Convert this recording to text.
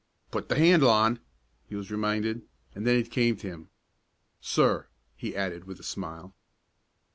"Put the handle on," he was reminded, and then it came to him. "Sir," he added with a smile.